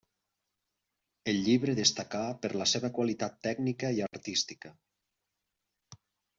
El llibre destacà per la seva qualitat tècnica i artística.